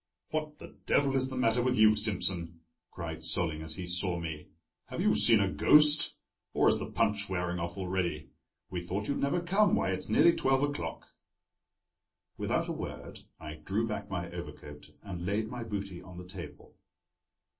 "What the devil is the matter with you, Simsen?" cried Solling as he saw me. "Have you seen a ghost? Or is the punch wearing off already? We thought you'd never come; why, it's nearly twelve o'clock!" Without a word I drew back my overcoat and laid my booty on the table.